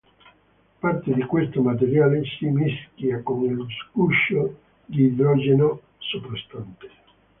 Parte di questo materiale si mischia con il guscio di idrogeno soprastante.